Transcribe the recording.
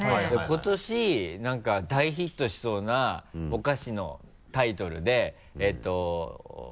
今年なんか大ヒットしそうなお菓子のタイトルでえっと。